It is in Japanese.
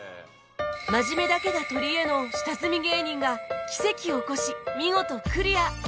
真面目だけが取りえの下積み芸人が奇跡を起こし見事クリア